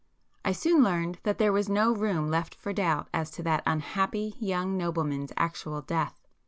I soon learned that there was no room left for doubt as to that unhappy young nobleman's actual death.